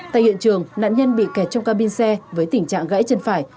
tại hiện trường nạn nhân bị kẹt trong ca bin xe với tình trạng gãy chân phải